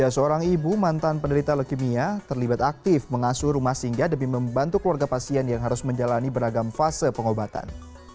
seorang ibu mantan penderita leukemia terlibat aktif mengasuh rumah singgah demi membantu keluarga pasien yang harus menjalani beragam fase pengobatan